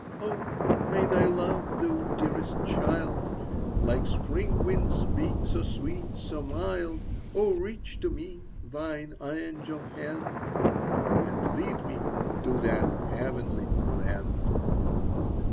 Oh, may thy love, thou dearest child, Like spring winds be, so sweet, so mild! Oh, reach to me thine angel hand, And lead me to that heavenly land!